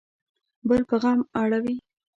بل په غم اړوي